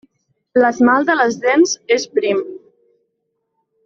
L'esmalt de les dents és prim.